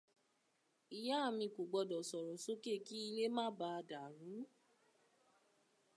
Ìyá mi kò gbọdọ̀ sọ̀rọ̀ sóké kí ilé má bàà dàrú